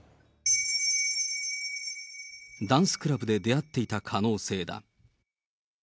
ダンスクラブで出会っていた可能性だ。